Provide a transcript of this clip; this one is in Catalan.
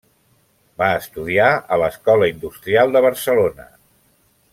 Va estudiar a l'Escola Industrial de Barcelona.